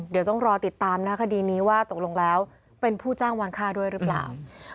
เดี๋ยวต้องรอติดตามนะคดีนี้ว่าตกลงแล้วเป็นผู้จ้างวานค่าด้วยหรือเปล่า